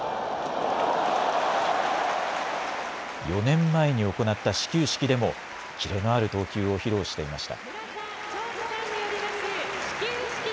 ４年前に行った始球式でも、切れのある投球を披露していました。